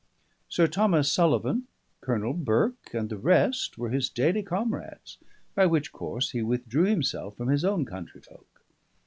Sir Thomas Sullivan, Colonel Burke, and the rest, were his daily comrades, by which course he withdrew himself from his own country folk.